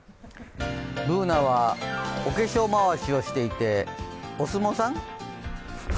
Ｂｏｏｎａはお化粧まわしをしていてお相撲さん？